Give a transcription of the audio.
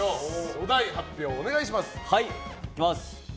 お題発表をお願いします。